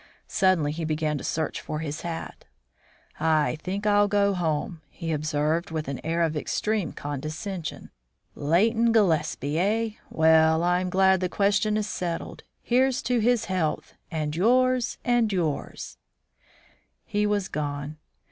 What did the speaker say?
Suddenly he began to search for his hat. "I think I'll go home," he observed, with an air of extreme condescension. "Leighton Gillespie, eh? Well, I'm glad the question is settled. Here's to his health! and yours and yours " He was gone.